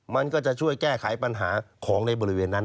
มันก็จะช่วยแก้ไขปัญหาของในบริเวณนั้น